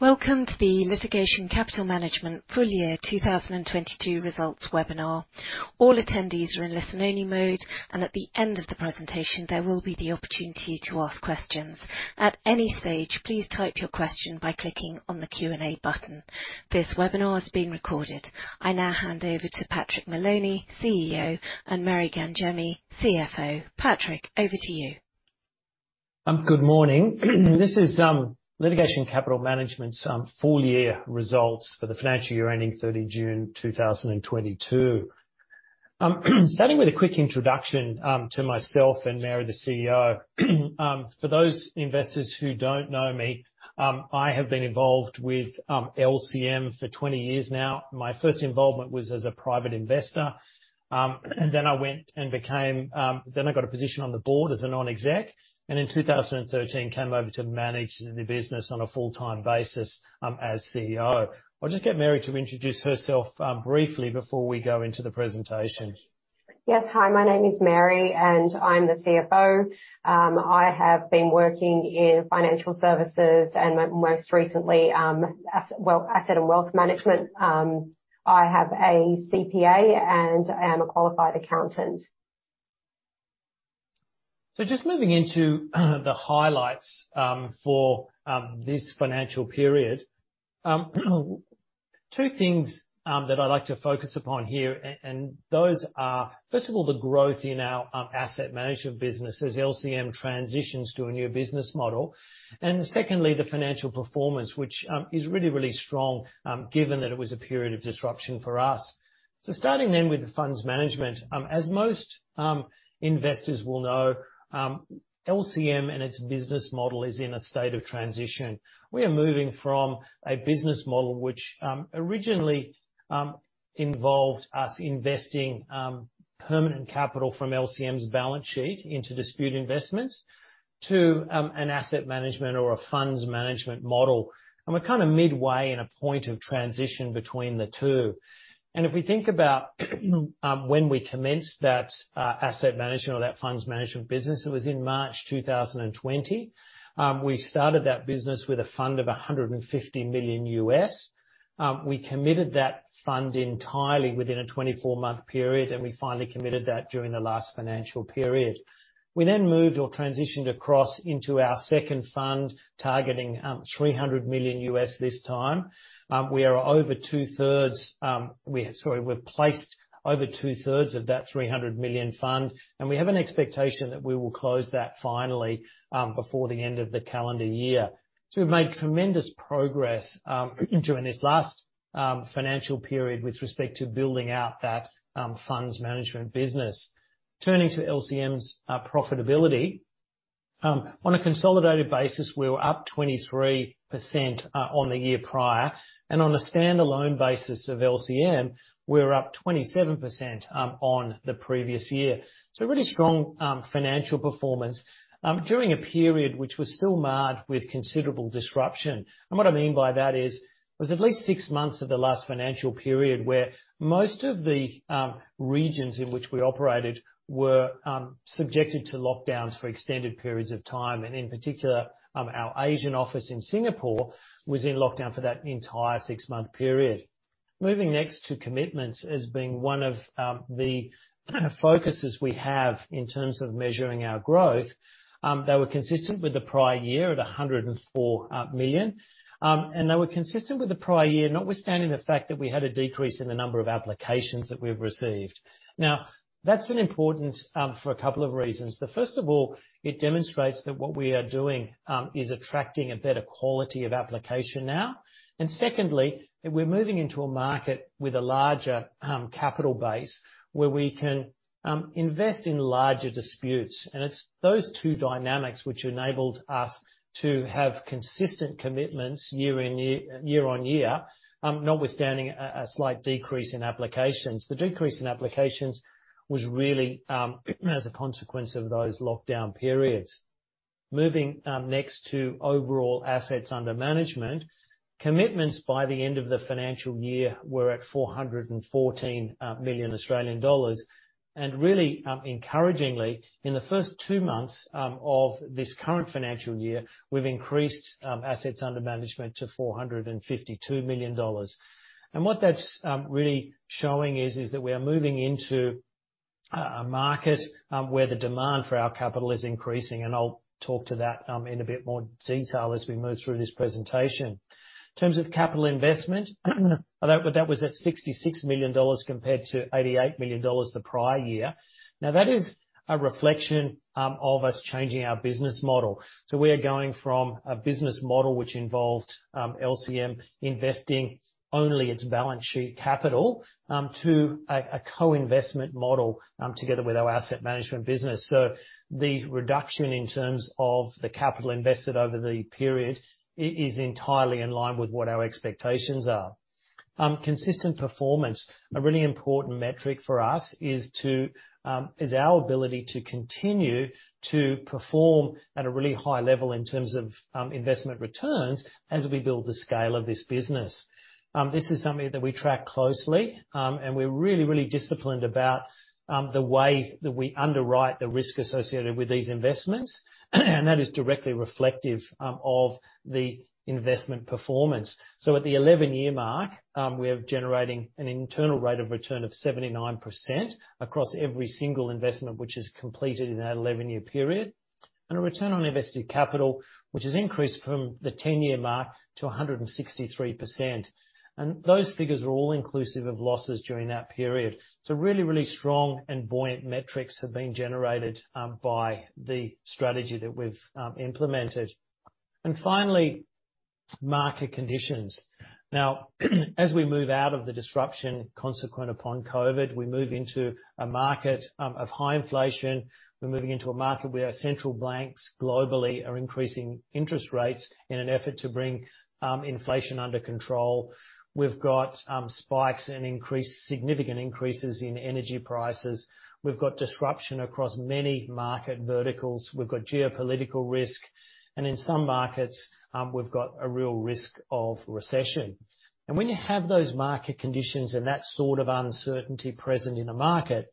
Welcome to the Litigation Capital Management full year 2022 results webinar. All attendees are in listen only mode, and at the end of the presentation, there will be the opportunity to ask questions. At any stage, please type your question by clicking on the Q&A button. This webinar is being recorded. I now hand over to Patrick Moloney, CEO, and Mary Gangemi, CFO. Patrick, over to you. Good morning. This is Litigation Capital Management's full year results for the financial year ending 30 June 2022. Starting with a quick introduction to myself and Mary, the CFO. For those investors who don't know me, I have been involved with LCM for 20 years now. My first involvement was as a private investor, and then I got a position on the board as a non-exec, and in 2013 came over to manage the business on a full-time basis, as CEO. I'll just get Mary to introduce herself briefly before we go into the presentation. Yes. Hi, my name is Mary, and I'm the CFO. I have been working in financial services and most recently, as well, asset and wealth management. I have a CPA and I am a qualified accountant. Just moving into the highlights for this financial period. Two things that I'd like to focus upon here, and those are, first of all, the growth in our asset management business as LCM transitions to a new business model. Secondly, the financial performance, which is really strong, given that it was a period of disruption for us. Starting then with the funds management, as most investors will know, LCM and its business model is in a state of transition. We are moving from a business model which originally involved us investing permanent capital from LCM's balance sheet into dispute investments to an asset management or a funds management model. We're kind of midway in a point of transition between the two. If we think about when we commenced that asset management or that funds management business, it was in March 2020. We started that business with a fund of $150 million. We committed that fund entirely within a 24-month period, and we finally committed that during the last financial period. We then moved or transitioned across into our second fund, targeting $300 million this time. We are over 2/3. We've placed over 2/3 of that $300 million fund, and we have an expectation that we will close that finally before the end of the calendar year. We've made tremendous progress during this last financial period with respect to building out that funds management business. Turning to LCM's profitability, on a consolidated basis, we were up 23%, on the year prior, and on a standalone basis of LCM, we're up 27%, on the previous year. A really strong financial performance during a period which was still marred with considerable disruption. What I mean by that is was at least six months of the last financial period where most of the regions in which we operated were subjected to lockdowns for extended periods of time, and in particular, our Asian office in Singapore was in lockdown for that entire six-month period. Moving next to commitments as being one of the focuses we have in terms of measuring our growth. They were consistent with the prior year at 104 million, notwithstanding the fact that we had a decrease in the number of applications that we've received. Now, that's been important for a couple of reasons. The first of all, it demonstrates that what we are doing is attracting a better quality of application now. Secondly, that we're moving into a market with a larger capital base where we can invest in larger disputes. It's those two dynamics which enabled us to have consistent commitments year on year, notwithstanding a slight decrease in applications. The decrease in applications was really as a consequence of those lockdown periods. Moving next to overall assets under management. Commitments by the end of the financial year were at 414 million Australian dollars, and really encouragingly, in the first two months of this current financial year, we've increased assets under management to 452 million dollars. What that's really showing is that we are moving into a market where the demand for our capital is increasing, and I'll talk to that in a bit more detail as we move through this presentation. In terms of capital investment, that was at 66 million dollars compared to 88 million dollars the prior year. Now, that is a reflection of us changing our business model. We are going from a business model which involved LCM investing only its balance sheet capital to a co-investment model together with our asset management business. The reduction in terms of the capital invested over the period is entirely in line with what our expectations are. Consistent performance. A really important metric for us is our ability to continue to perform at a really high level in terms of investment returns as we build the scale of this business. This is something that we track closely, and we're really, really disciplined about the way that we underwrite the risk associated with these investments, and that is directly reflective of the investment performance. At the 11-year mark, we are generating an internal rate of return of 79% across every single investment which is completed in that 11-year period. A return on invested capital, which has increased from the 10-year mark to 163%. Those figures are all inclusive of losses during that period. Really, really strong and buoyant metrics have been generated by the strategy that we've implemented. Finally, market conditions. Now, as we move out of the disruption consequent upon COVID, we move into a market of high inflation. We're moving into a market where central banks globally are increasing interest rates in an effort to bring inflation under control. We've got spikes and significant increases in energy prices. We've got disruption across many market verticals. We've got geopolitical risk. In some markets, we've got a real risk of recession. When you have those market conditions and that sort of uncertainty present in a market,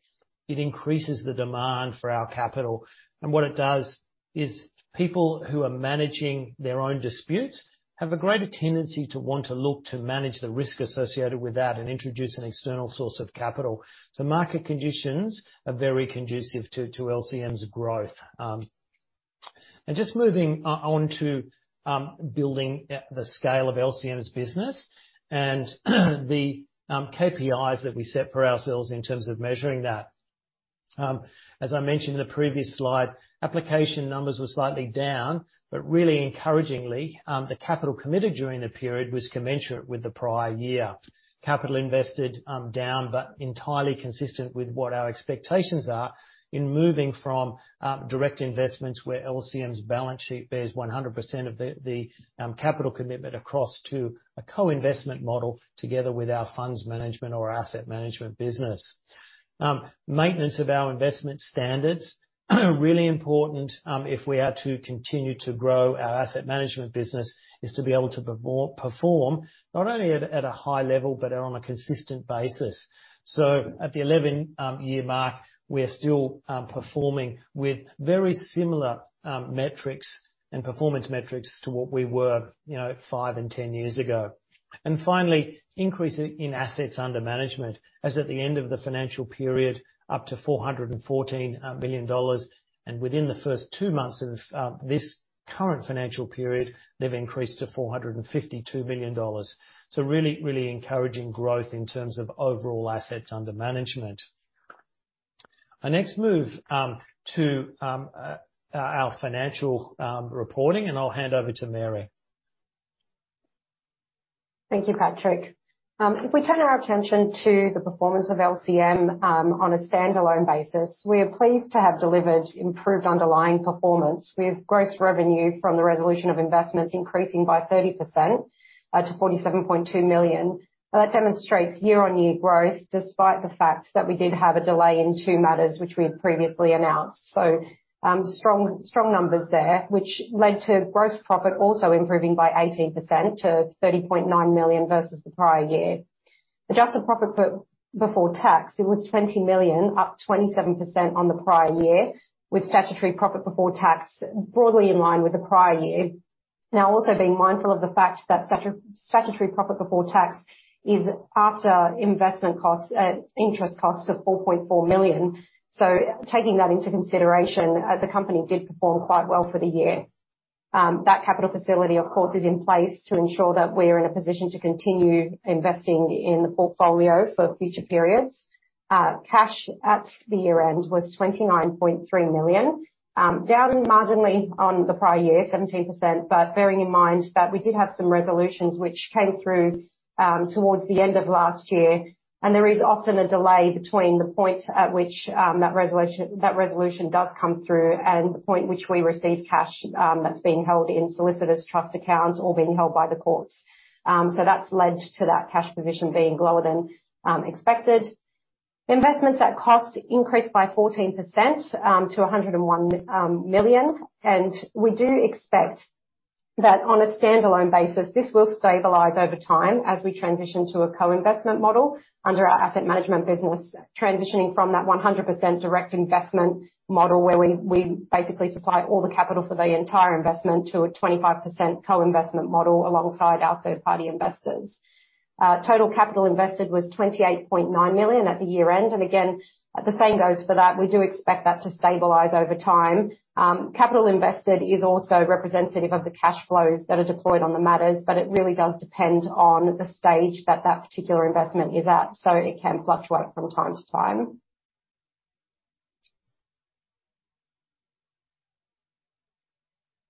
it increases the demand for our capital. What it does is people who are managing their own disputes have a greater tendency to want to look to manage the risk associated with that and introduce an external source of capital. Market conditions are very conducive to LCM's growth. Just moving on to building the scale of LCM's business and the KPIs that we set for ourselves in terms of measuring that. As I mentioned in the previous slide, application numbers were slightly down, but really encouragingly, the capital committed during the period was commensurate with the prior year. Capital invested down, but entirely consistent with what our expectations are in moving from direct investments where LCM's balance sheet bears 100% of the capital commitment across to a co-investment model together with our funds management or asset management business. Maintenance of our investment standards, really important if we are to continue to grow our asset management business, is to be able to perform not only at a high level, but on a consistent basis. At the 11-year mark, we are still performing with very similar metrics and performance metrics to what we were, you know, five and 10 years ago. Finally, increase in assets under management, as at the end of the financial period, up to 414 billion dollars. Within the first two months of this current financial period, they've increased to 452 million dollars. Really, really encouraging growth in terms of overall assets under management. I next move to our financial reporting, and I'll hand over to Mary. Thank you, Patrick. If we turn our attention to the performance of LCM, on a standalone basis, we are pleased to have delivered improved underlying performance with gross revenue from the resolution of investments increasing by 30% to 47.2 million. That demonstrates year-on-year growth, despite the fact that we did have a delay in two matters which we had previously announced. Strong numbers there, which led to gross profit also improving by 18% to 30.9 million versus the prior year. Adjusted profit before tax, it was 20 million, up 27% on the prior year, with statutory profit before tax broadly in line with the prior year. Now, also being mindful of the fact that statutory profit before tax is after investment costs, interest costs of 4.4 million. Taking that into consideration, the company did perform quite well for the year. That capital facility, of course, is in place to ensure that we're in a position to continue investing in the portfolio for future periods. Cash at the year-end was 29.3 million, down marginally on the prior year, 17%. Bearing in mind that we did have some resolutions which came through, towards the end of last year, and there is often a delay between the point at which that resolution does come through and the point which we receive cash, that's being held in solicitors' trust accounts or being held by the courts. That's led to that cash position being lower than expected. Investments at cost increased by 14% to 101 million. We do expect that on a standalone basis, this will stabilize over time as we transition to a co-investment model under our asset management business, transitioning from that 100% direct investment model where we basically supply all the capital for the entire investment to a 25% co-investment model alongside our third-party investors. Total capital invested was 28.9 million at the year-end. Again, the same goes for that. We do expect that to stabilize over time. Capital invested is also representative of the cash flows that are deployed on the matters, but it really does depend on the stage that that particular investment is at, so it can fluctuate from time to time.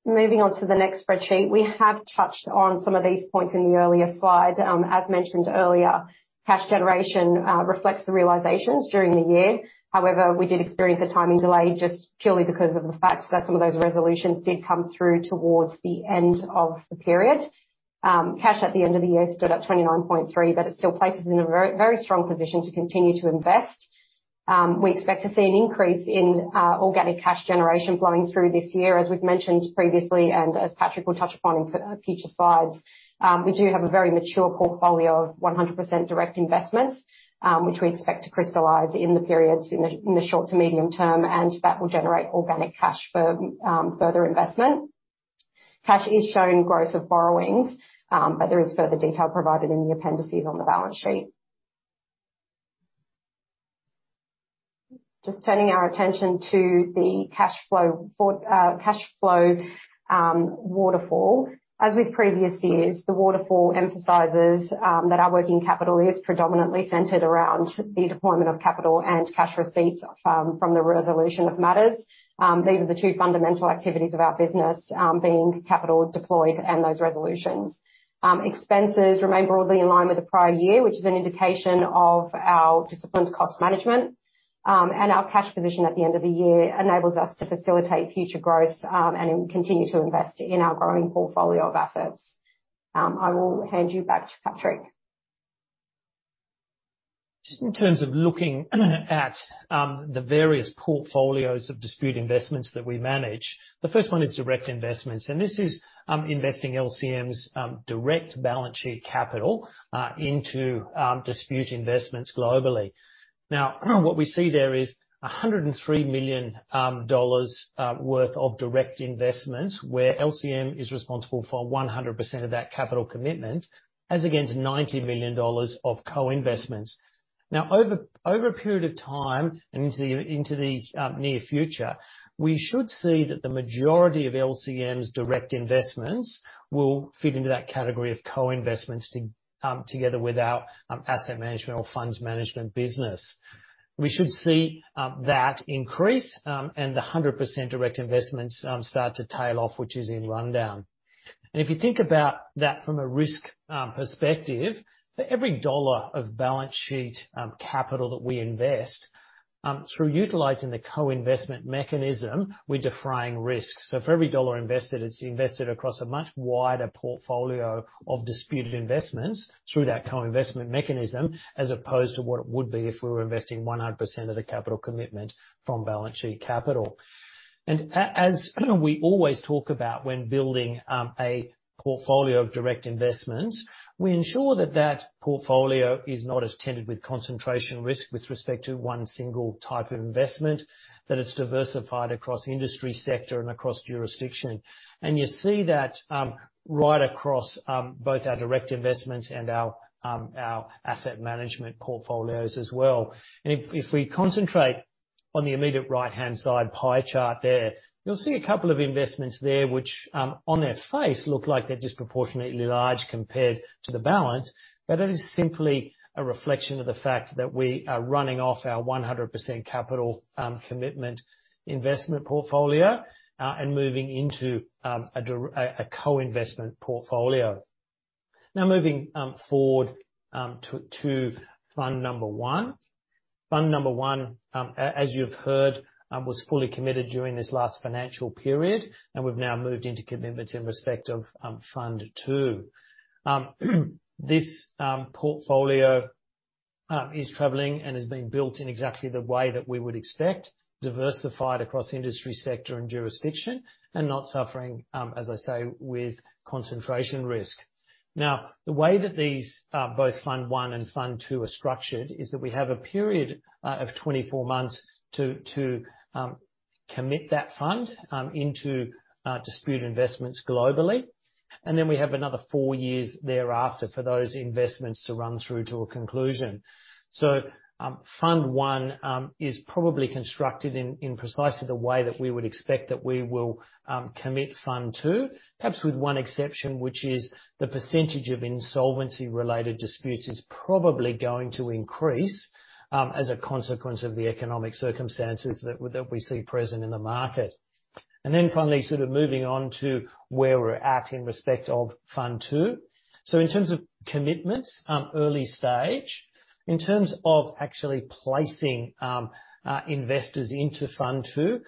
Moving on to the next slide. We have touched on some of these points in the earlier slides. As mentioned earlier, cash generation reflects the realizations during the year. However, we did experience a timing delay just purely because of the fact that some of those resolutions did come through towards the end of the period. Cash at the end of the year stood at 29.3, but it still places us in a very strong position to continue to invest. We expect to see an increase in organic cash generation flowing through this year. As we've mentioned previously and as Patrick will touch upon in future slides, we do have a very mature portfolio of 100% direct investments, which we expect to crystallize in the short to medium term, and that will generate organic cash for further investment. Cash is showing growth of borrowings, but there is further detail provided in the appendices on the balance sheet. Just turning our attention to the cash flow waterfall. As with previous years, the waterfall emphasizes that our working capital is predominantly centered around the deployment of capital and cash receipts from the resolution of matters. These are the two fundamental activities of our business, being capital deployed and those resolutions. Expenses remain broadly in line with the prior year, which is an indication of our disciplined cost management. Our cash position at the end of the year enables us to facilitate future growth and continue to invest in our growing portfolio of assets. I will hand you back to Patrick. Just in terms of looking at the various portfolios of dispute investments that we manage, the first one is direct investments, and this is investing LCM's direct balance sheet capital into dispute investments globally. Now, what we see there is 103 million dollars worth of direct investments, where LCM is responsible for 100% of that capital commitment, as against 90 million dollars of co-investments. Now over a period of time and into the near future, we should see that the majority of LCM's direct investments will fit into that category of co-investments, together with our asset management or funds management business. We should see that increase and the 100% direct investments start to tail off, which is in rundown. If you think about that from a risk perspective, for every dollar of balance sheet capital that we invest through utilizing the co-investment mechanism, we're defraying risk. For every dollar invested, it's invested across a much wider portfolio of disputed investments through that co-investment mechanism, as opposed to what it would be if we were investing 100% of the capital commitment from balance sheet capital. As we always talk about when building a portfolio of direct investments, we ensure that that portfolio is not as tainted with concentration risk with respect to one single type of investment, that it's diversified across industry sector and across jurisdiction. You see that right across both our direct investments and our our asset management portfolios as well. If we concentrate on the immediate right-hand side pie chart there, you'll see a couple of investments there which on their face look like they're disproportionately large compared to the balance. That is simply a reflection of the fact that we are running off our 100% capital commitment investment portfolio and moving into a co-investment portfolio. Now moving forward to fund number one. Fund number one, as you've heard, was fully committed during this last financial period, and we've now moved into commitments in respect of Fund II. This portfolio is traveling and is being built in exactly the way that we would expect, diversified across industry sector and jurisdiction, and not suffering, as I say, with concentration risk. Now, the way that these both Fund I and Fund II are structured is that we have a period of 24 months to commit that fund into dispute investments globally. Then we have another four years thereafter for those investments to run through to a conclusion. Fund I is probably constructed in precisely the way that we would expect that we will commit Fund II, perhaps with one exception, which is the percentage of insolvency related disputes is probably going to increase as a consequence of the economic circumstances that we see present in the market. Then finally, sort of moving on to where we're at in respect of Fund II. In terms of commitments, early stage. In terms of actually placing investors into Fund II,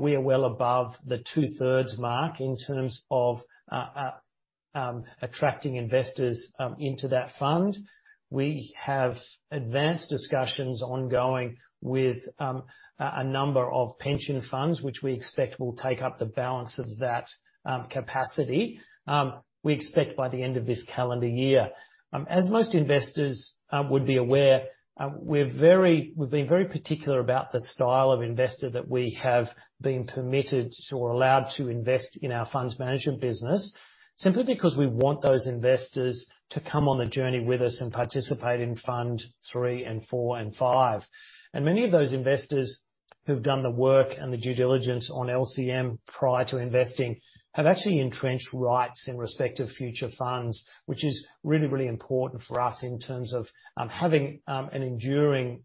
we are well above the 2/3 mark in terms of attracting investors into that fund. We have advanced discussions ongoing with a number of pension funds, which we expect will take up the balance of that capacity, we expect by the end of this calendar year. As most investors would be aware, we've been very particular about the style of investor that we have been permitted or allowed to invest in our funds management business, simply because we want those investors to come on the journey with us and participate in Fund III and IV and V. Many of those investors who've done the work and the due diligence on LCM prior to investing have actually entrenched rights in respect of future funds, which is really, really important for us in terms of having an enduring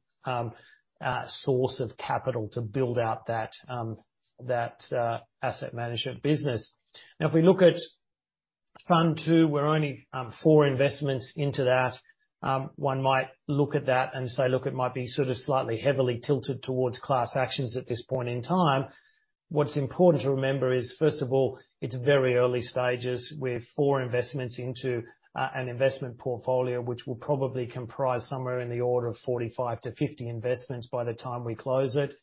source of capital to build out that asset management business. Now, if we look at fund two, we're only four investments into that. One might look at that and say, "Look, it might be sort of slightly heavily tilted towards class actions at this point in time." What's important to remember is, first of all, it's very early stages with four investments into an investment portfolio, which will probably comprise somewhere in the order of 45-50 investments by the time we close it.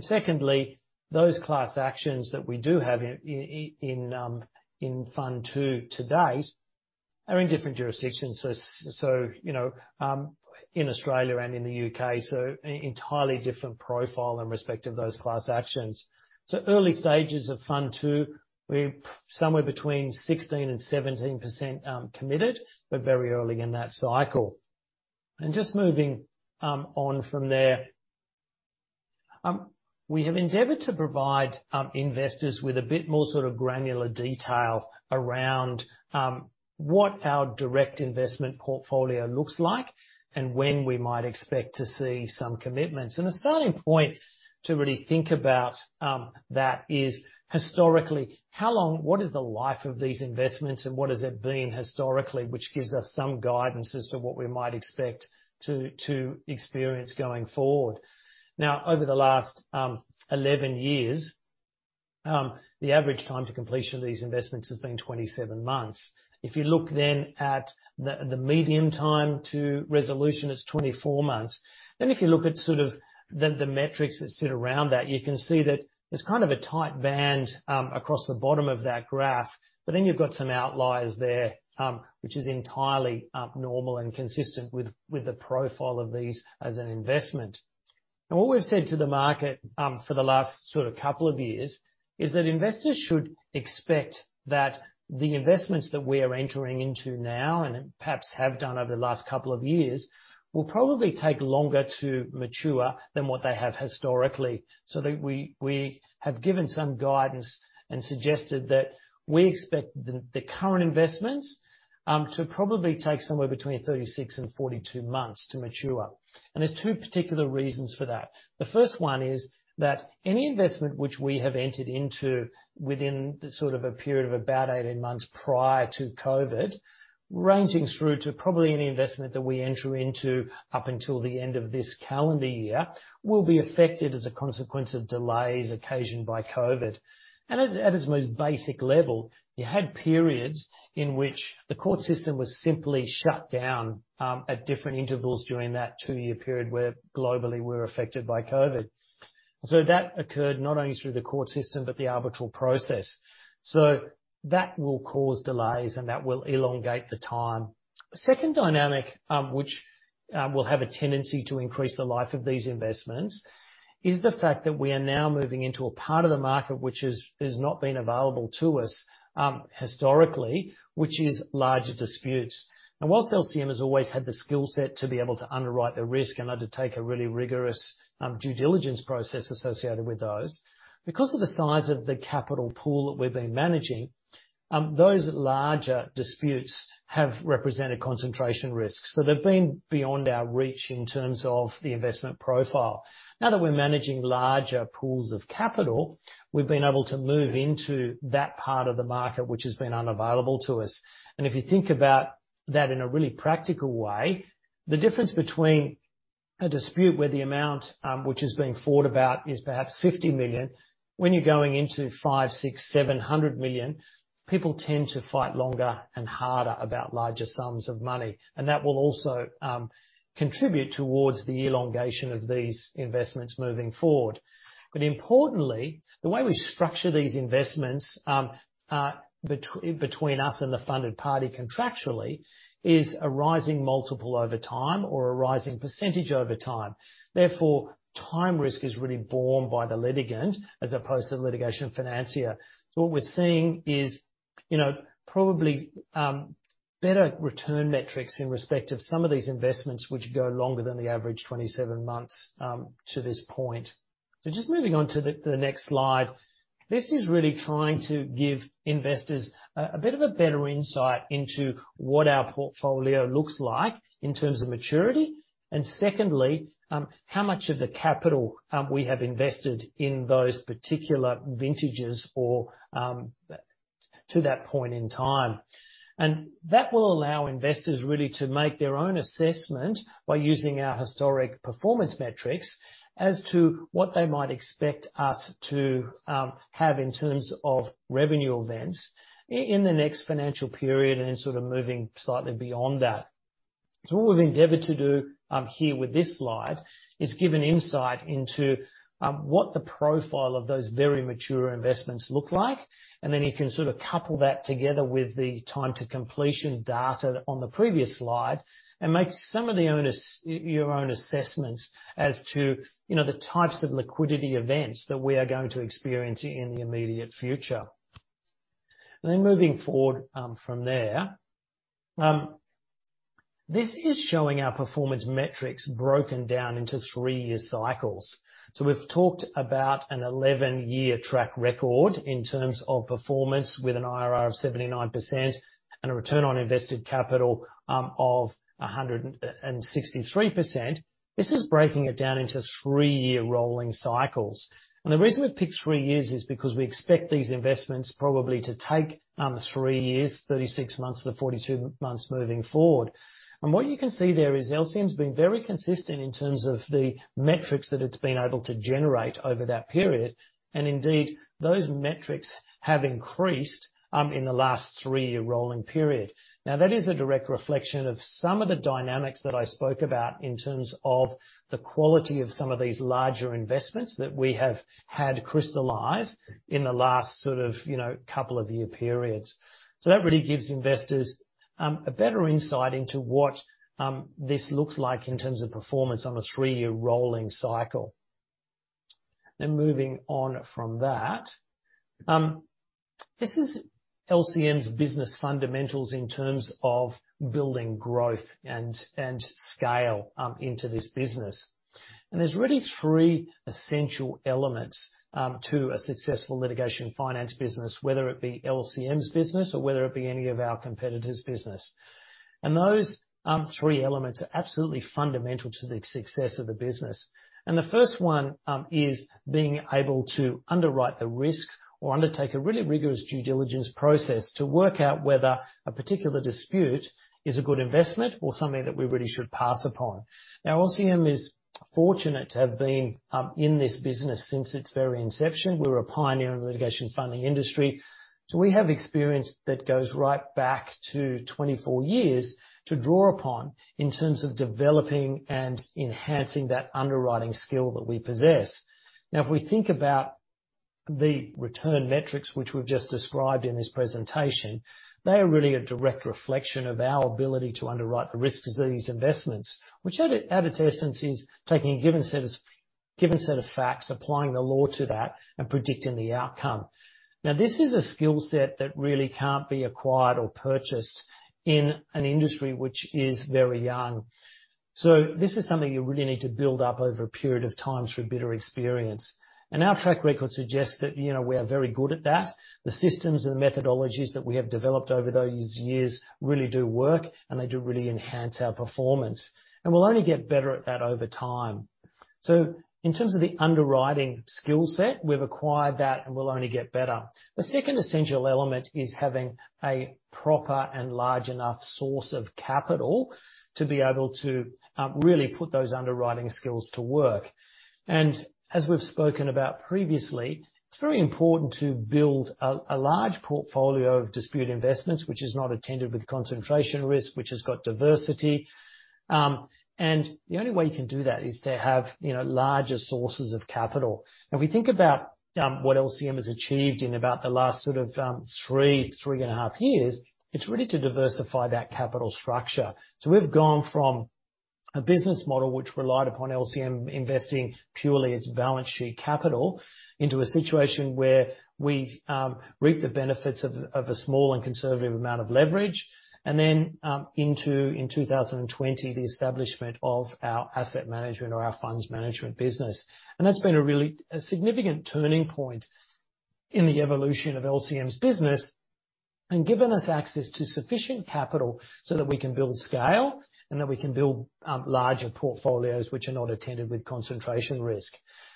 Secondly, those class actions that we do have in fund two to date are in different jurisdictions. you know, in Australia and in the U.K., so entirely different profile in respect of those class actions. Early stages of fund two, we're somewhere between 16% and 17% committed, but very early in that cycle. Just moving on from there, we have endeavored to provide investors with a bit more sort of granular detail around what our direct investment portfolio looks like and when we might expect to see some commitments. A starting point to really think about that is historically, how long, what is the life of these investments and what has it been historically, which gives us some guidance as to what we might expect to experience going forward. Now, over the last 11 years, the average time to completion of these investments has been 27 months. If you look then at the median time to resolution, it's 24 months. If you look at sort of the metrics that sit around that, you can see that there's kind of a tight band across the bottom of that graph, but then you've got some outliers there, which is entirely abnormal and consistent with the profile of these as an investment. What we've said to the market for the last sort of couple of years is that investors should expect that the investments that we are entering into now and perhaps have done over the last couple of years will probably take longer to mature than what they have historically. That we have given some guidance and suggested that we expect the current investments to probably take somewhere between 36-42 months to mature. There's two particular reasons for that. The first one is that any investment which we have entered into within the sort of a period of about 18 months prior to COVID, ranging through to probably any investment that we enter into up until the end of this calendar year, will be affected as a consequence of delays occasioned by COVID. At its most basic level, you had periods in which the court system was simply shut down at different intervals during that two-year period, where globally we're affected by COVID. That occurred not only through the court system but the arbitral process. That will cause delays, and that will elongate the time. The second dynamic, which will have a tendency to increase the life of these investments is the fact that we are now moving into a part of the market which has not been available to us, historically, which is larger disputes. While LCM has always had the skill set to be able to underwrite the risk and undertake a really rigorous, due diligence process associated with those, because of the size of the capital pool that we've been managing, those larger disputes have represented concentration risks. They've been beyond our reach in terms of the investment profile. Now that we're managing larger pools of capital, we've been able to move into that part of the market which has been unavailable to us. If you think about that in a really practical way, the difference between a dispute where the amount which is being fought about is perhaps 50 million, when you're going into 500 million, 600 million, AUD 700 million, people tend to fight longer and harder about larger sums of money. That will also contribute towards the elongation of these investments moving forward. Importantly, the way we structure these investments between us and the funded party contractually is a rising multiple over time or a rising percentage over time. Therefore, time risk is really borne by the litigant as opposed to the litigation financier. What we're seeing is, you know, probably better return metrics in respect of some of these investments which go longer than the average 27 months to this point. Just moving on to the next slide. This is really trying to give investors a bit of a better insight into what our portfolio looks like in terms of maturity and secondly, how much of the capital we have invested in those particular vintages or to that point in time. That will allow investors really to make their own assessment by using our historic performance metrics as to what they might expect us to have in terms of revenue events in the next financial period and sort of moving slightly beyond that. What we've endeavored to do here with this slide is give an insight into what the profile of those very mature investments look like, and then you can sort of couple that together with the time to completion data on the previous slide and make some of your own assessments as to, you know, the types of liquidity events that we are going to experience in the immediate future. Moving forward from there. This is showing our performance metrics broken down into three-year cycles. We've talked about an 11-year track record in terms of performance with an IRR of 79% and a return on invested capital of 163%. This is breaking it down into three-year rolling cycles. The reason we've picked three years is because we expect these investments probably to take three years, 36 months to 42 months moving forward. What you can see there is LCM's been very consistent in terms of the metrics that it's been able to generate over that period. Indeed, those metrics have increased in the last three-year rolling period. Now, that is a direct reflection of some of the dynamics that I spoke about in terms of the quality of some of these larger investments that we have had crystallize in the last sort of, you know, couple of year periods. That really gives investors a better insight into what this looks like in terms of performance on a three-year rolling cycle. This is LCM's business fundamentals in terms of building growth and scale into this business. There's really three essential elements to a successful litigation finance business, whether it be LCM's business or whether it be any of our competitors' business. Those three elements are absolutely fundamental to the success of the business. The first one is being able to underwrite the risk or undertake a really rigorous due diligence process to work out whether a particular dispute is a good investment or something that we really should pass upon. Now, LCM is fortunate to have been in this business since its very inception. We're a pioneer in the litigation funding industry. We have experience that goes right back to 24 years to draw upon in terms of developing and enhancing that underwriting skill that we possess. Now, if we think about the return metrics, which we've just described in this presentation, they are really a direct reflection of our ability to underwrite the risk of these investments, which at its essence is taking a given set of facts, applying the law to that, and predicting the outcome. Now, this is a skill set that really can't be acquired or purchased in an industry which is very young. So this is something you really need to build up over a period of time through bitter experience. Our track record suggests that, you know, we are very good at that. The systems and the methodologies that we have developed over those years really do work, and they do really enhance our performance. We'll only get better at that over time. In terms of the underwriting skill set, we've acquired that and will only get better. The second essential element is having a proper and large enough source of capital to be able to really put those underwriting skills to work. As we've spoken about previously, it's very important to build a large portfolio of dispute investments, which is not attended with concentration risk, which has got diversity. The only way you can do that is to have you know larger sources of capital. If we think about what LCM has achieved in about the last sort of three and a half years, it's really to diversify that capital structure. We've gone from a business model which relied upon LCM investing purely its balance sheet capital into a situation where we reap the benefits of a small and conservative amount of leverage, and then into in 2020 the establishment of our asset management or our funds management business. That's been a really significant turning point in the evolution of LCM's business and given us access to sufficient capital so that we can build scale and that we can build larger portfolios which are not attended with concentration risk.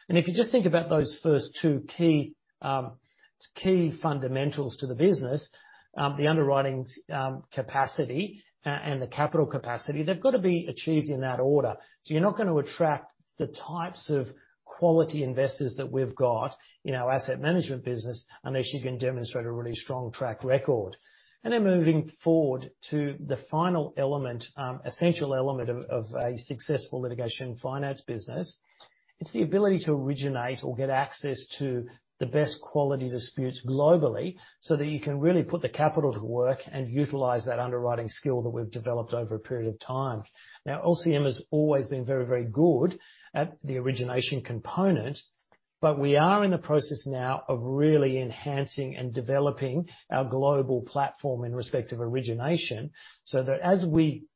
If you just think about those first two key fundamentals to the business, the underwriting capacity and the capital capacity, they've got to be achieved in that order. You're not gonna attract the types of quality investors that we've got in our asset management business unless you can demonstrate a really strong track record. Moving forward to the final element, essential element of a successful litigation finance business, it's the ability to originate or get access to the best quality disputes globally so that you can really put the capital to work and utilize that underwriting skill that we've developed over a period of time. Now, LCM has always been very, very good at the origination component, but we are in the process now of really enhancing and developing our global platform in respect of origination, so that as we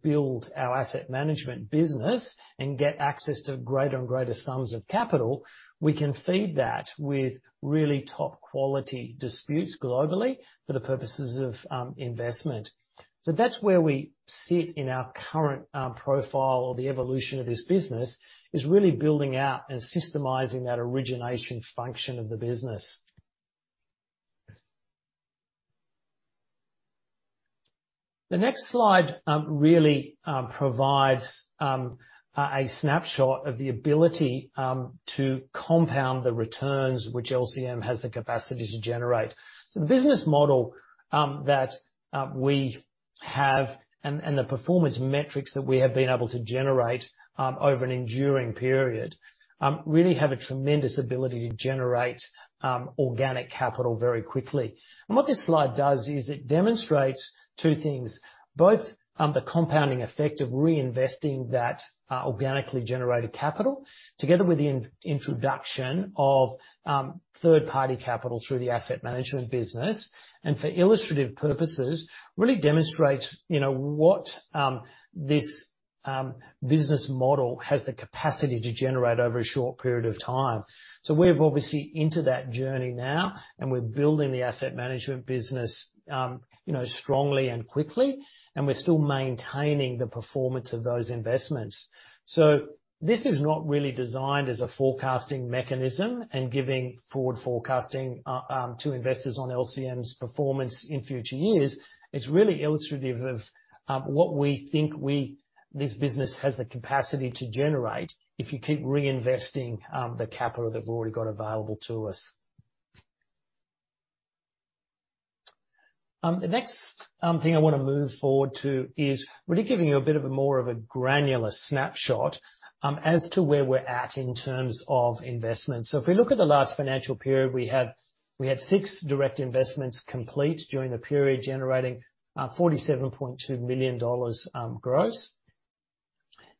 build our asset management business and get access to greater and greater sums of capital, we can feed that with really top quality disputes globally for the purposes of investment. That's where we sit in our current profile or the evolution of this business, is really building out and systemizing that origination function of the business. The next slide really provides a snapshot of the ability to compound the returns which LCM has the capacity to generate. The business model that we have and the performance metrics that we have been able to generate over an enduring period really have a tremendous ability to generate organic capital very quickly. What this slide does is it demonstrates two things, both the compounding effect of reinvesting that organically generated capital together with the introduction of third-party capital through the asset management business, and for illustrative purposes, really demonstrates, you know, what this business model has the capacity to generate over a short period of time. We're obviously into that journey now, and we're building the asset management business, you know, strongly and quickly, and we're still maintaining the performance of those investments. This is not really designed as a forecasting mechanism and giving forward forecasting to investors on LCM's performance in future years. It's really illustrative of what we think this business has the capacity to generate if you keep reinvesting the capital that we've already got available to us. The next thing I wanna move forward to is really giving you a bit of a more of a granular snapshot as to where we're at in terms of investments. If we look at the last financial period, we had six direct investments complete during the period, generating 47.2 million dollars gross.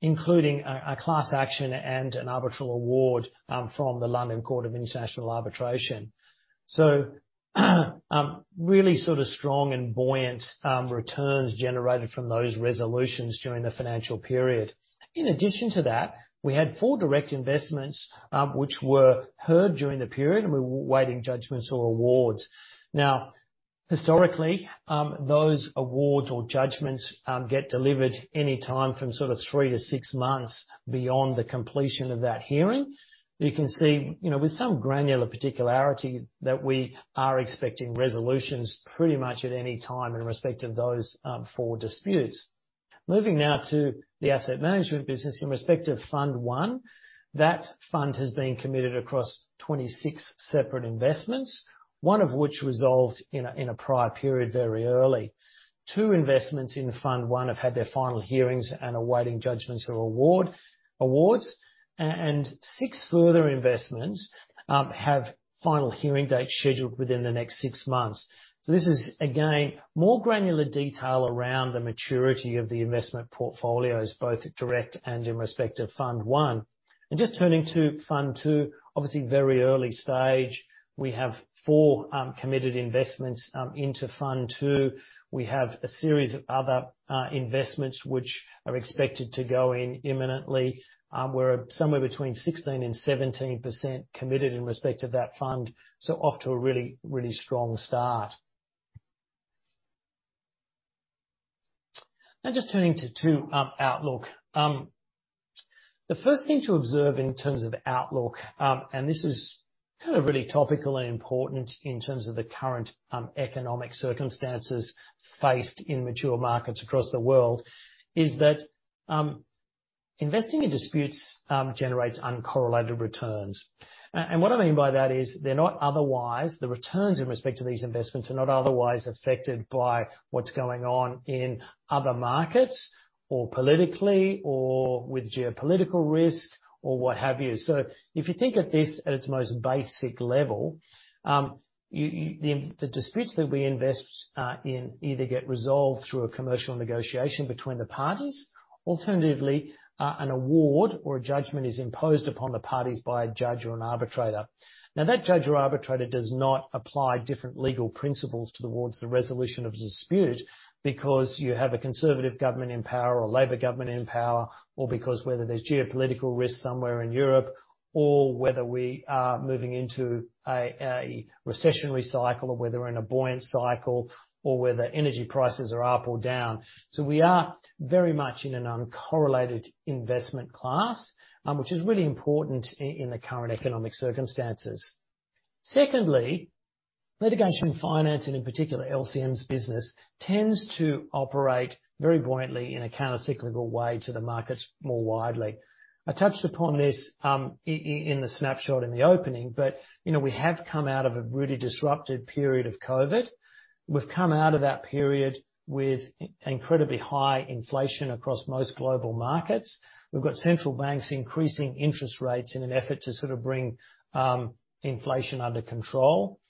Including a class action and an arbitral award from the London Court of International Arbitration. Really sort of strong and buoyant returns generated from those resolutions during the financial period. In addition to that, we had four direct investments which were heard during the period, and we're waiting judgments or awards. Now, historically, those awards or judgments get delivered any time from sort of threee to six months beyond the completion of that hearing. You can see, you know, with some granular particularity that we are expecting resolutions pretty much at any time in respect of those four disputes. Moving now to the asset management business in respect of Fund I, that fund has been committed across 26 separate investments, one of which resolved in a prior period, very early. Two investments in Fund I have had their final hearings and are awaiting judgments or awards, and six further investments have final hearing dates scheduled within the next six months. This is, again, more granular detail around the maturity of the investment portfolios, both direct and in respect to Fund I. Just turning to Fund II, obviously very early stage. We have four committed investments into Fund II. We have a series of other investments which are expected to go in imminently, we're somewhere between 16% and 17% committed in respect to that fund, so off to a really, really strong start. Now just turning to outlook. The first thing to observe in terms of outlook, and this is kind of really topical and important in terms of the current economic circumstances faced in mature markets across the world, is that investing in disputes generates uncorrelated returns. What I mean by that is they're not otherwise, the returns in respect to these investments are not otherwise affected by what's going on in other markets or politically or with geopolitical risk or what have you. If you think of this at its most basic level, you. Disputes that we invest in either get resolved through a commercial negotiation between the parties. Alternatively, an award or a judgment is imposed upon the parties by a judge or an arbitrator. Now, that judge or arbitrator does not apply different legal principles towards the resolution of the dispute because you have a conservative government in power or a Labor government in power, or because whether there's geopolitical risk somewhere in Europe, or whether we are moving into a recessionary cycle, or whether we're in a buoyant cycle, or whether energy prices are up or down. We are very much in an uncorrelated investment class, which is really important in the current economic circumstances. Secondly, litigation finance, and in particular LCM's business, tends to operate very buoyantly in a countercyclical way to the markets more widely. I touched upon this, in the snapshot in the opening, but you know, we have come out of a really disrupted period of COVID. We've come out of that period with incredibly high inflation across most global markets. We've got central banks increasing interest rates in an effort to sort of bring inflation under control.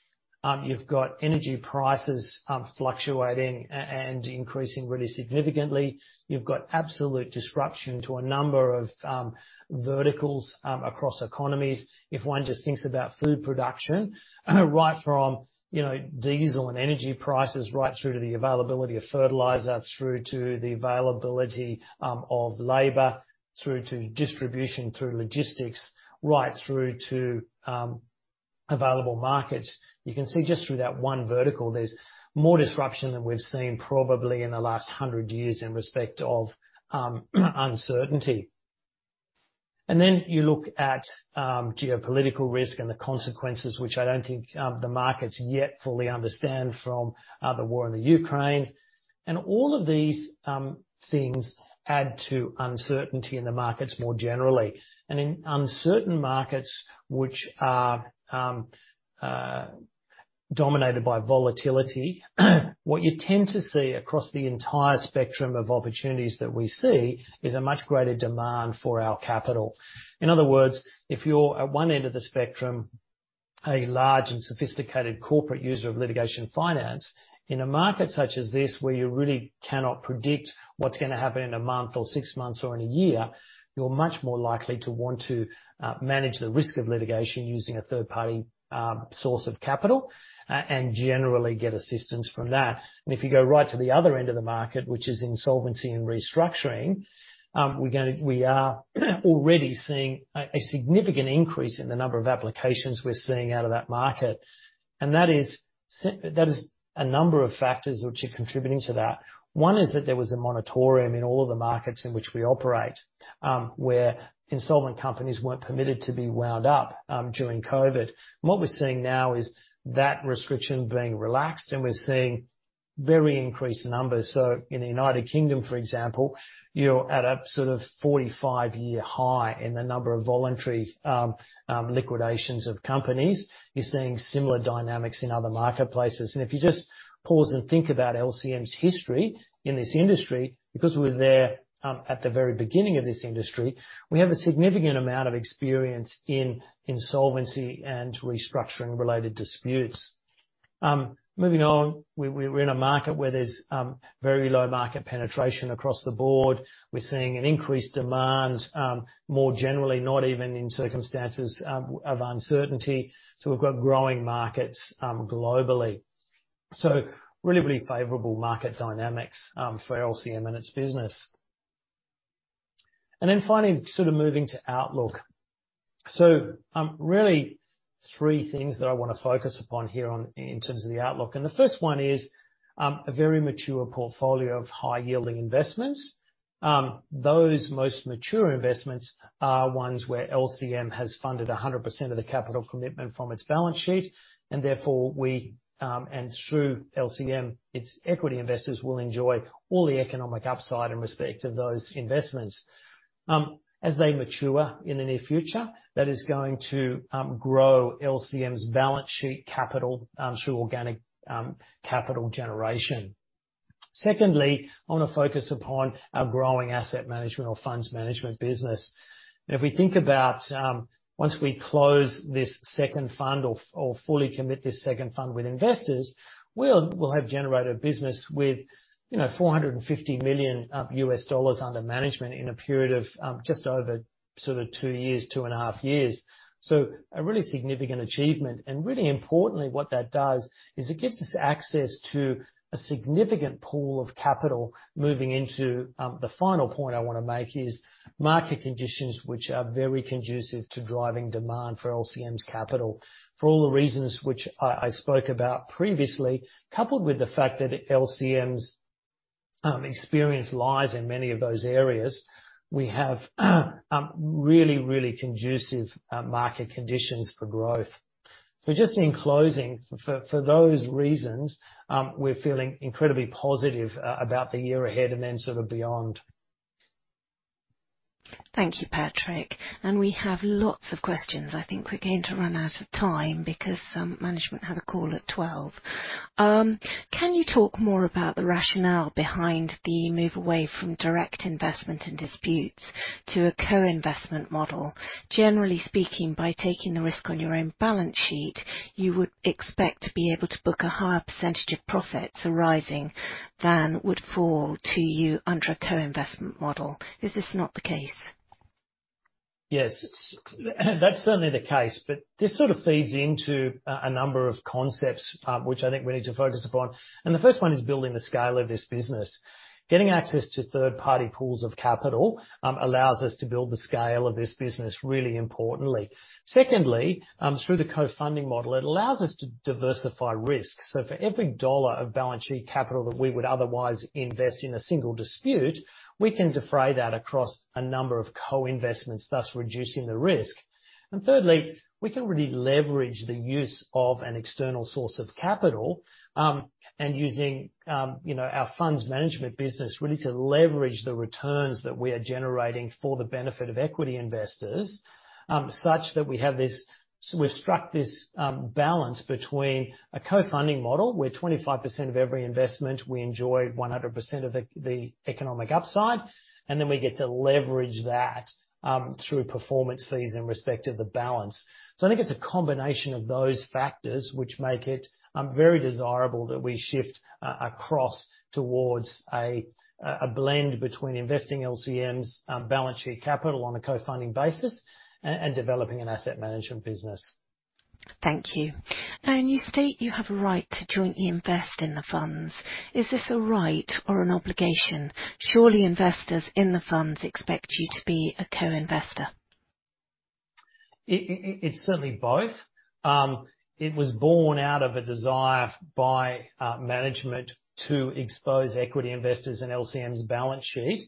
You've got energy prices fluctuating and increasing really significantly. You've got absolute disruption to a number of verticals across economies. If one just thinks about food production, right from, you know, diesel and energy prices, right through to the availability of fertilizer, through to the availability of labor, through to distribution, through logistics, right through to available markets. You can see just through that one vertical, there's more disruption than we've seen probably in the last hundred years in respect of uncertainty. You look at geopolitical risk and the consequences, which I don't think the markets yet fully understand from the war in the Ukraine. All of these things add to uncertainty in the markets more generally. In uncertain markets which are dominated by volatility, what you tend to see across the entire spectrum of opportunities that we see is a much greater demand for our capital. In other words, if you're at one end of the spectrum, a large and sophisticated corporate user of litigation finance, in a market such as this, where you really cannot predict what's gonna happen in a month or six months or in a year, you're much more likely to want to manage the risk of litigation using a third-party source of capital and generally get assistance from that. If you go right to the other end of the market, which is insolvency and restructuring, we are already seeing a significant increase in the number of applications we're seeing out of that market. That is a number of factors which are contributing to that. One is that there was a moratorium in all of the markets in which we operate, where insolvent companies weren't permitted to be wound up, during COVID. What we're seeing now is that restriction being relaxed, and we're seeing very increased numbers. In the United Kingdom, for example, you're at a sort of 45-year high in the number of voluntary liquidations of companies. You're seeing similar dynamics in other marketplaces. If you just pause and think about LCM's history in this industry, because we were there at the very beginning of this industry, we have a significant amount of experience in insolvency and restructuring related disputes. Moving on. We're in a market where there's very low market penetration across the board. We're seeing an increased demand more generally, not even in circumstances of uncertainty. We've got growing markets globally. Really really favorable market dynamics for LCM and its business. Finally, sort of moving to outlook. Really three things that I wanna focus upon here on, in terms of the outlook, and the first one is a very mature portfolio of high-yielding investments. Those most mature investments are ones where LCM has funded 100% of the capital commitment from its balance sheet, and therefore we and through LCM, its equity investors will enjoy all the economic upside in respect of those investments. As they mature in the near future, that is going to grow LCM's balance sheet capital through organic capital generation. Secondly, I wanna focus upon our growing asset management or funds management business. If we think about once we close this second fund or fully commit this second fund with investors, we'll have generated business with, you know, $450 million under management in a period of just over sort of two years, two and a half years. A really significant achievement. Really importantly, what that does is it gets us access to a significant pool of capital moving into the final point I wanna make is market conditions, which are very conducive to driving demand for LCM's capital. For all the reasons which I spoke about previously, coupled with the fact that LCM's experience lies in many of those areas, we have really conducive market conditions for growth. Just in closing, for those reasons, we're feeling incredibly positive about the year ahead and then sort of beyond. Thank you, Patrick. We have lots of questions. I think we're going to run out of time because management have a call at 12:00 P.M. Can you talk more about the rationale behind the move away from direct investment in disputes to a co-investment model? Generally speaking, by taking the risk on your own balance sheet, you would expect to be able to book a higher percentage of profits arising than would fall to you under a co-investment model. Is this not the case? Yes. That's certainly the case, but this sort of feeds into a number of concepts, which I think we need to focus upon, and the first one is building the scale of this business. Getting access to third-party pools of capital allows us to build the scale of this business really importantly. Secondly, through the co-investment model, it allows us to diversify risk. For every dollar of balance sheet capital that we would otherwise invest in a single dispute, we can defray that across a number of co-investments, thus reducing the risk. Thirdly, we can really leverage the use of an external source of capital, and using you know, our funds management business really to leverage the returns that we are generating for the benefit of equity investors, such that we have this. We've struck this balance between a co-investment model, where 25% of every investment, we enjoy 100% of the economic upside, and then we get to leverage that through performance fees in respect of the balance. I think it's a combination of those factors which make it very desirable that we shift across towards a blend between investing LCM's balance sheet capital on a co-investment basis and developing an asset management business. Thank you. Now, you state you have a right to jointly invest in the funds. Is this a right or an obligation? Surely, investors in the funds expect you to be a co-investor. It's certainly both. It was born out of a desire by management to expose equity investors in LCM's balance sheet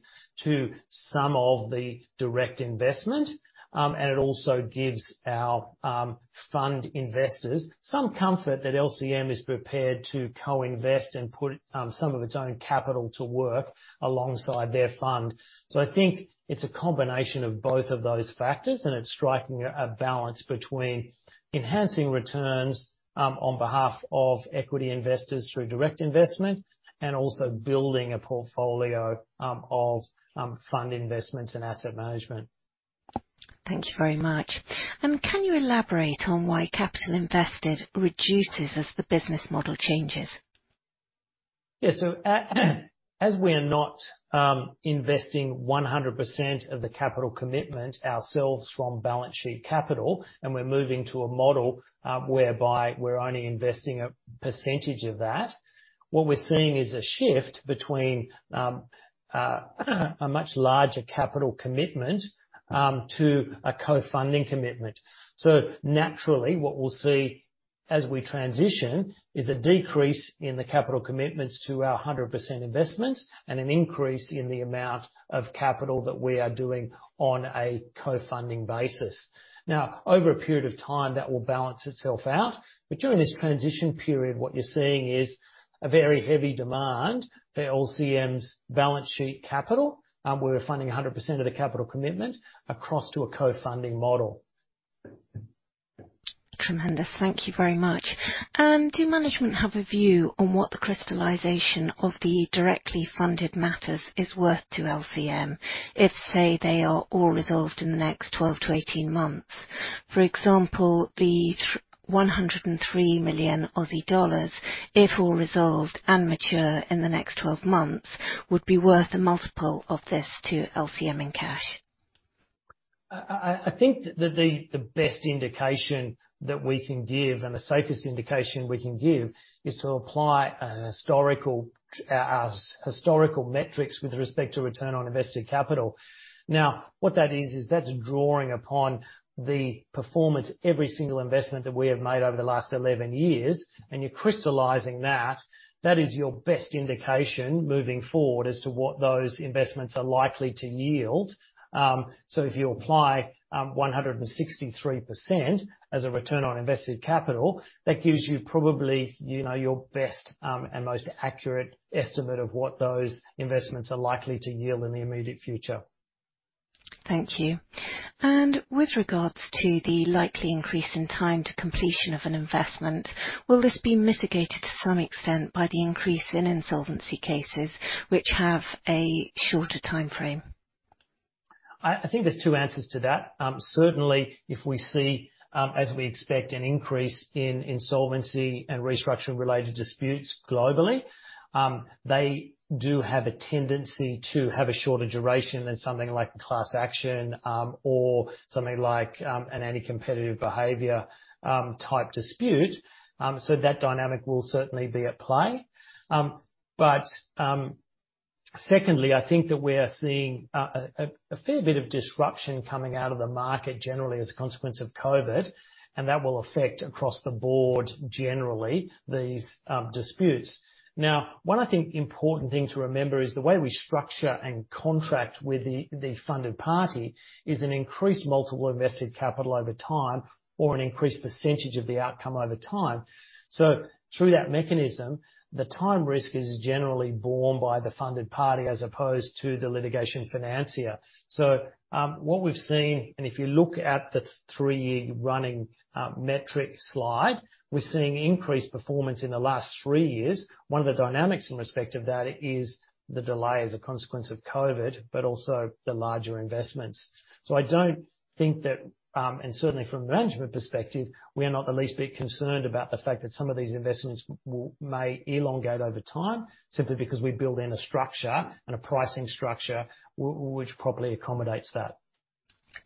to some of the direct investment. It also gives our fund investors some comfort that LCM is prepared to co-invest and put some of its own capital to work alongside their fund. I think it's a combination of both of those factors, and it's striking a balance between enhancing returns on behalf of equity investors through direct investment and also building a portfolio of fund investments and asset management. Thank you very much. Can you elaborate on why capital invested reduces as the business model changes? Yeah. As we're not investing 100% of the capital commitment ourselves from balance sheet capital, and we're moving to a model whereby we're only investing a percentage of that, what we're seeing is a shift between a much larger capital commitment to a co-funding commitment. Naturally, what we'll see as we transition is a decrease in the capital commitments to our 100% investments and an increase in the amount of capital that we are doing on a co-funding basis. Now, over a period of time, that will balance itself out. During this transition period, what you're seeing is a very heavy demand for LCM's balance sheet capital, where we're funding 100% of the capital commitment across to a co-funding model. Tremendous. Thank you very much. Do management have a view on what the crystallization of the directly funded matters is worth to LCM, if, say, they are all resolved in the next 12-18 months? For example, the 103 million Aussie dollars, if all resolved and mature in the next 12 months, would be worth a multiple of this to LCM in cash. I think that the best indication that we can give, and the safest indication we can give, is to apply a historical metrics with respect to return on invested capital. Now, what that is that's drawing upon the performance, every single investment that we have made over the last 11 years, and you're crystallizing that. That is your best indication moving forward as to what those investments are likely to yield. So if you apply 163% as a return on invested capital, that gives you probably, you know, your best, and most accurate estimate of what those investments are likely to yield in the immediate future. Thank you. With regards to the likely increase in time to completion of an investment, will this be mitigated to some extent by the increase in insolvency cases which have a shorter timeframe? I think there's two answers to that. Certainly, if we see, as we expect, an increase in insolvency and restructuring related disputes globally, they do have a tendency to have a shorter duration than something like class action, or something like, an anti-competitive behavior, type dispute. So that dynamic will certainly be at play. But secondly, I think that we are seeing a fair bit of disruption coming out of the market generally as a consequence of COVID, and that will affect across the board, generally, these disputes. Now, one important thing to remember is the way we structure and contract with the funded party is an increased multiple invested capital over time, or an increased percentage of the outcome over time. Through that mechanism, the time risk is generally borne by the funded party as opposed to the litigation financier. What we've seen, and if you look at the three-year running metric slide, we're seeing increased performance in the last three years. One of the dynamics in respect of that is the delay as a consequence of COVID, but also the larger investments. I don't think that, and certainly from a management perspective, we are not the least bit concerned about the fact that some of these investments may elongate over time, simply because we build in a structure and a pricing structure which probably accommodates that.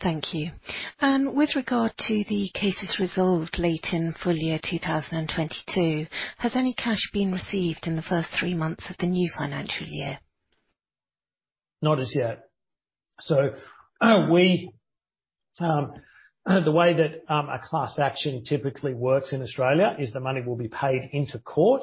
Thank you. With regard to the cases resolved late in full year 2022, has any cash been received in the first three months of the new financial year? Not as yet. The way that a class action typically works in Australia is the money will be paid into court,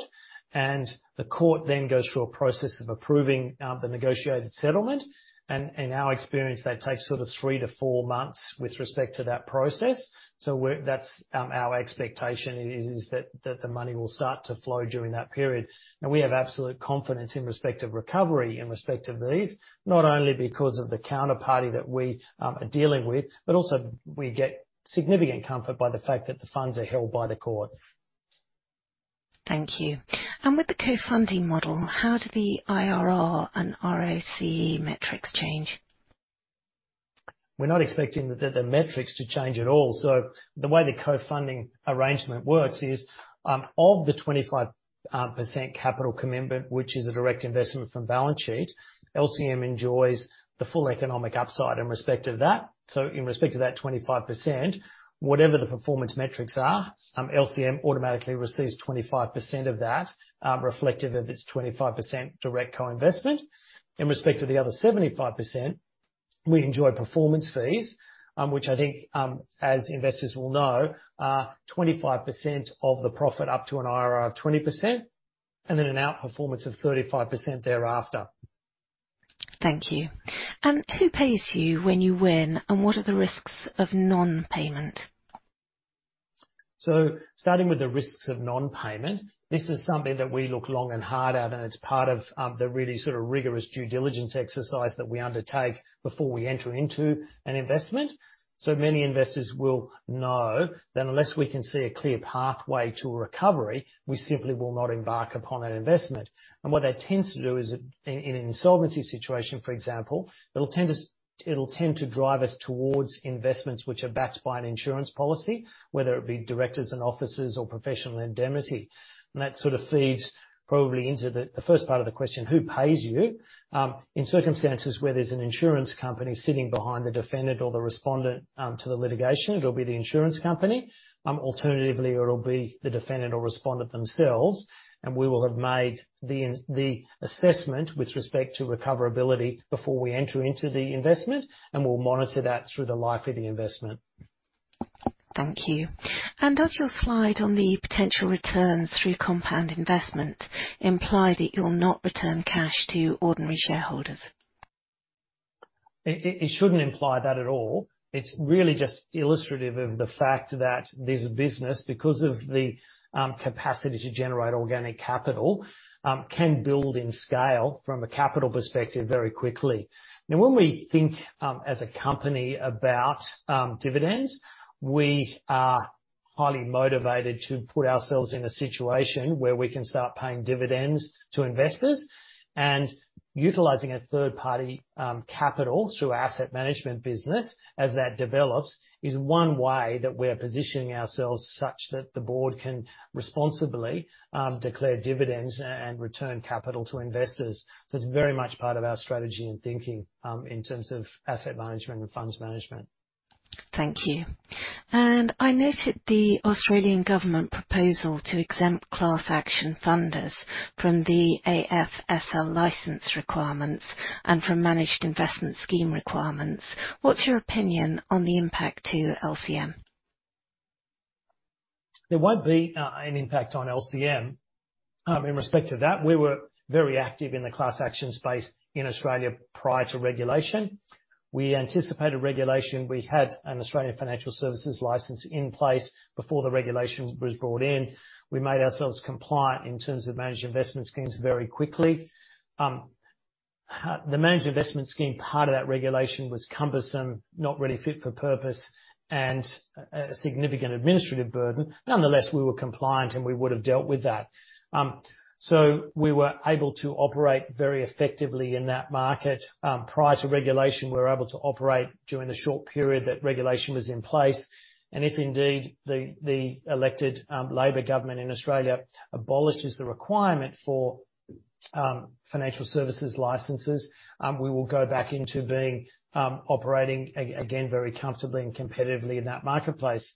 and the court then goes through a process of approving the negotiated settlement, and our experience that takes sort of three to four months with respect to that process. That's our expectation is that the money will start to flow during that period. We have absolute confidence in respect of recovery, in respect of these, not only because of the counterparty that we are dealing with, but also we get significant comfort by the fact that the funds are held by the court. Thank you. With the co-investment model, how do the IRR and ROC metrics change? We're not expecting the metrics to change at all. The way the co-investment arrangement works is of the 25% capital commitment, which is a direct investment from balance sheet, LCM enjoys the full economic upside in respect of that. In respect to that 25%, whatever the performance metrics are, LCM automatically receives 25% of that, reflective of its 25% direct co-investment. In respect to the other 75%, we enjoy performance fees, which I think, as investors will know, are 25% of the profit up to an IRR of 20%, and then an outperformance of 35% thereafter. Thank you. Who pays you when you win, and what are the risks of non-payment? Starting with the risks of non-payment, this is something that we look long and hard at, and it's part of the really sort of rigorous due diligence exercise that we undertake before we enter into an investment. Many investors will know that unless we can see a clear pathway to recovery, we simply will not embark upon an investment. What that tends to do is in an insolvency situation, for example, it'll tend to drive us towards investments which are backed by an insurance policy, whether it be directors and officers or professional indemnity. That sort of feeds probably into the first part of the question, who pays you? In circumstances where there's an insurance company sitting behind the defendant or the respondent to the litigation, it'll be the insurance company. Alternatively, it'll be the defendant or respondent themselves, and we will have made the assessment with respect to recoverability before we enter into the investment, and we'll monitor that through the life of the investment. Thank you. Does your slide on the potential returns through compound investment imply that you'll not return cash to ordinary shareholders? It shouldn't imply that at all. It's really just illustrative of the fact that this business, because of the capacity to generate organic capital, can build in scale from a capital perspective very quickly. Now, when we think as a company about dividends, we are highly motivated to put ourselves in a situation where we can start paying dividends to investors and utilizing a third party capital through our asset management business as that develops, is one way that we're positioning ourselves such that the board can responsibly declare dividends and return capital to investors. It's very much part of our strategy in thinking in terms of asset management and funds management. Thank you. I noted the Australian government proposal to exempt class action funders from the AFSL license requirements and from managed investment scheme requirements. What's your opinion on the impact to LCM? There won't be an impact on LCM. In respect to that, we were very active in the class action space in Australia prior to regulation. We anticipated regulation. We had an Australian Financial Services Licence in place before the regulation was brought in. We made ourselves compliant in terms of managed investment schemes very quickly. The managed investment scheme, part of that regulation was cumbersome, not really fit for purpose and a significant administrative burden. Nonetheless, we were compliant, and we would have dealt with that. We were able to operate very effectively in that market. Prior to regulation, we were able to operate during the short period that regulation was in place. If indeed the elected Labor government in Australia abolishes the requirement for financial services licenses, we will go back into being operating again very comfortably and competitively in that marketplace.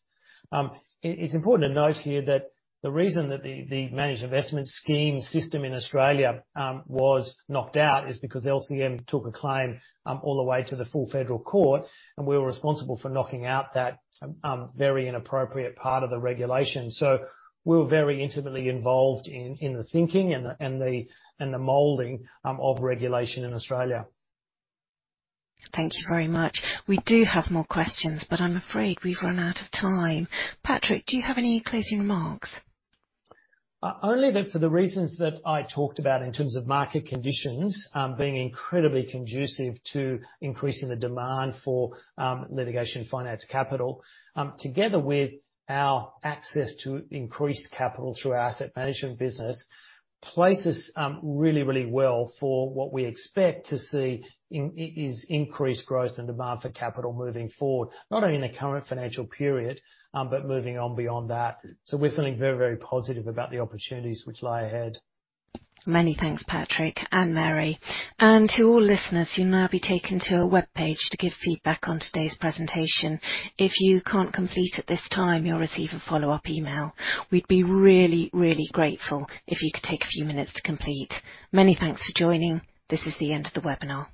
It's important to note here that the reason that the managed investment scheme system in Australia was knocked out is because LCM took a claim all the way to the Full Federal Court, and we were responsible for knocking out that very inappropriate part of the regulation. We were very intimately involved in the thinking and the molding of regulation in Australia. Thank you very much. We do have more questions, but I'm afraid we've run out of time. Patrick, do you have any closing remarks? Only that for the reasons that I talked about in terms of market conditions being incredibly conducive to increasing the demand for litigation finance capital together with our access to increased capital through our asset management business places really well for what we expect to see is increased growth and demand for capital moving forward, not only in the current financial period, but moving on beyond that. We're feeling very positive about the opportunities which lie ahead. Many thanks, Patrick and Mary. To all listeners, you'll now be taken to a webpage to give feedback on today's presentation. If you can't complete at this time, you'll receive a follow-up email. We'd be really, really grateful if you could take a few minutes to complete. Many thanks for joining. This is the end of the webinar.